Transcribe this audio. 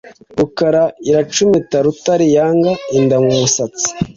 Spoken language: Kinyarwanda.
Rukara iracumita Rutare yanga.-Inda mu musatsi.